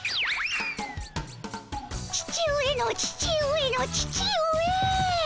父上の父上の父上。